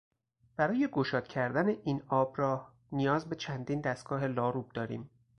برای گشاد کردن این آبراه نیاز به چندین دستگاه لاروب داریم.